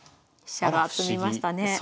飛車が詰みましたね。